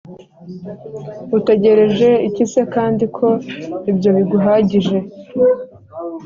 Utegereje iki se kandi ko ibyo biguhagije